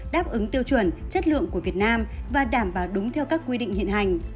đáp ứng tiêu chuẩn chất lượng của việt nam và đảm bảo đúng theo các quy định hiện hành